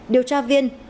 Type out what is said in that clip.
điều tra viên